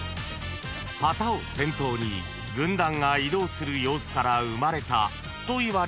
［旗を先頭に軍団が移動する様子から生まれたといわれる漢字］